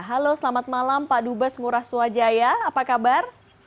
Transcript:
halo selamat malam pak dubes ngurah swajaya apa kabar